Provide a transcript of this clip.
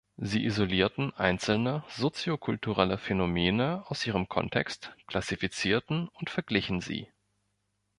Sie isolierten einzelne soziokulturelle Phänomene aus ihrem Kontext, klassifizierten und verglichen sie.